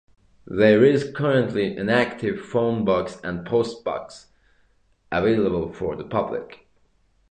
There is currently an active phone-box and a postbox available for the public.